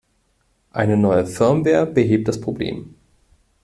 Eine neue Firmware behebt das Problem.